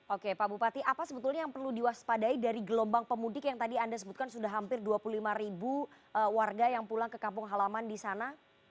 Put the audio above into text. oke pak bupati apa sebetulnya yang perlu diwaspadai dari gelombang pemudik yang tadi anda sebutkan sudah hampir dua puluh lima ribu warga yang pulang ke kampung halaman di sana